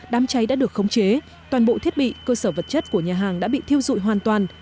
đám cháy đã được khống chế toàn bộ thiết bị cơ sở vật chất của nhà hàng đã bị thiêu dụi hoàn toàn